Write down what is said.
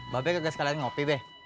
baik gak sekali lagi ngopi be